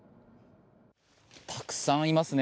たくさんいますね。